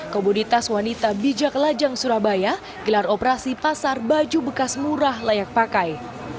komoditas wanita bijak lajang surabaya gelar operasi pasar baju bekas murah layak pakai